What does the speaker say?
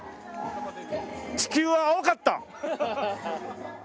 地球は青かった！